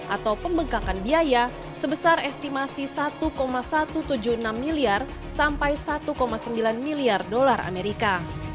atau pembengkakan biaya sebesar estimasi satu satu ratus tujuh puluh enam miliar sampai satu sembilan miliar dolar amerika